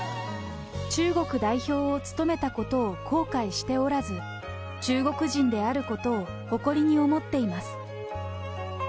中国代表を務めたことを後悔しておらず、中国人であることを誇りに思っています。